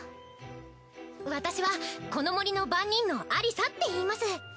私はこの森の番人のアリサっていいます。